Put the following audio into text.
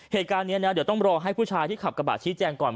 เหตุการณ์นี้นะเดี๋ยวต้องรอให้ผู้ชายที่ขับกระบะชี้แจงก่อน